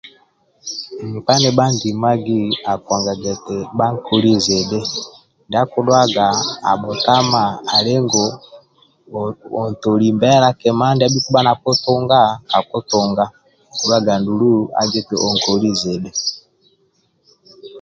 Nkpa nibhandimagi akiongaga eti bhankoli zidhi ndia akidhuaga abhutama ali ngu ontoli mbela kima ndia abhi kibha nakitunga kakitunga akidhuaga ndulu agia eti onkoli zidhi